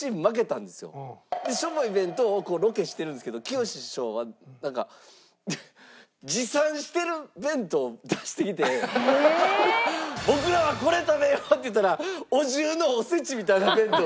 でしょぼい弁当をロケしているんですけどきよし師匠はなんか持参してる弁当出してきて僕らはこれ食べようって言うたらお重のおせちみたいな弁当で。